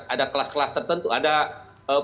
ada kelas kelas tertentu ada